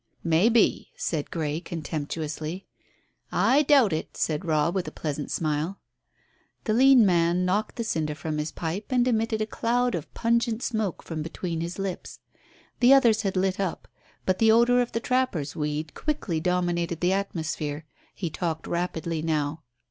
"Maybe," said Grey contemptuously. "I doubt it," said Robb, with a pleasant smile. The lean man knocked the cinder from his pipe and emitted a cloud of pungent smoke from between his lips. The others had lit up. But the odour of the trapper's weed quickly dominated the atmosphere. He talked rapidly now.